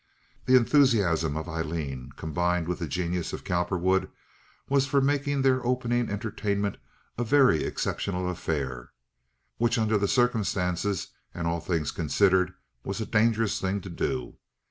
The enthusiasm of Aileen, combined with the genius of Cowperwood, was for making their opening entertainment a very exceptional affair, which, under the circumstances, and all things considered, was a dangerous thing to do.